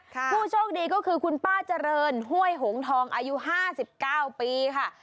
ผู้โชคดีก็คือคุณป้าเจริญห้วยหงทองอายุ๕๙ปีค่ะ